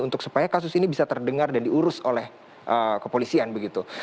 untuk supaya kasus ini bisa terdengar dan diurus oleh kepolisian begitu